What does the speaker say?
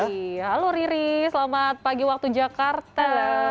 iya halo riri selamat pagi waktu jakarta